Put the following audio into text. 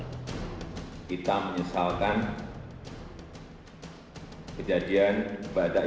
kita menyesalkan kejadian bada isa